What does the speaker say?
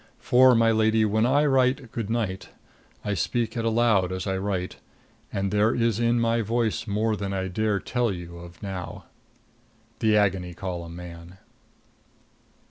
For, my lady, when I write good night, I speak it aloud as I write; and there is in my voice more than I dare tell you of now. THE AGONY COLUMN MAN.